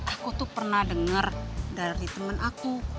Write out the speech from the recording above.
aku tuh pernah dengar dari temen aku